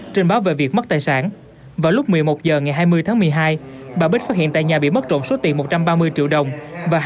trình báo về việc mất tài sản vào lúc một mươi một h ngày hai mươi tháng một mươi hai bà bích phát hiện tại nhà bị mất trộm số tiền một trăm ba mươi triệu đồng